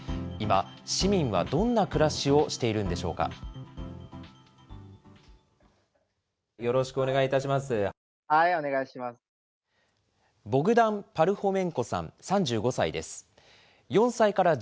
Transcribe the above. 今、市民はどんな暮らしをしているんでしょうか。